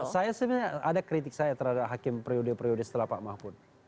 saya sebenarnya ada kritik saya terhadap hakim periode periode setelah pak mahfud